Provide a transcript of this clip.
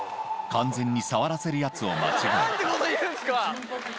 完全に触らせるやつを間違えた。